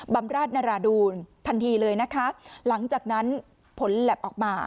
ำราชนราดูลทันทีเลยนะคะหลังจากนั้นผลแหลบออกมา